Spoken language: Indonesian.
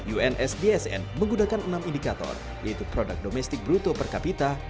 uns bsn menggunakan enam indikator yaitu produk domestik bruto per kapita